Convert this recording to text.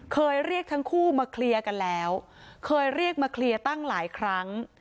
เคยเรียกทั้งคู่มาเคลียร์กันแล้วเคยเรียกมาเคลียร์ตั้งหลายครั้ง